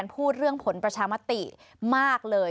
พูดเรื่องผลประชามติมากเลย